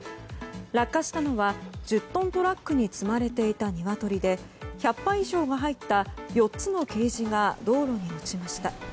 落下したのは１０トントラックに積まれていたニワトリで１００羽以上が入った４つのケージが道路に落ちました。